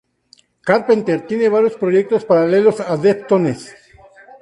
Carpenter tiene varios proyectos paralelos a Deftones.